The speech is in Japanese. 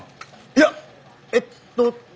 いやえっと